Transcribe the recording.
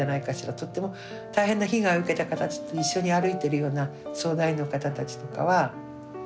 とっても大変な被害を受けた方たちと一緒に歩いてるような相談員の方たちとかは。